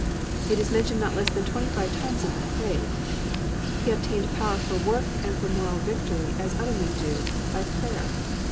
It is mentioned not less than twenty five times that He prayed. He obtained power for work and for moral victory as other men do, by prayer.